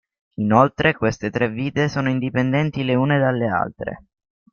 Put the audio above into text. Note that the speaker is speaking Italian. Inoltre, queste tre vite sono indipendenti le une dalle altre.